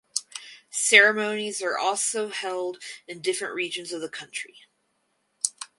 Ceremonies are also held in different regions of the country.